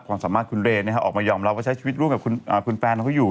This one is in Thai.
ความสามารถคุณเรนออกมายอมรับว่าใช้ชีวิตร่วมกับคุณแฟนของเขาอยู่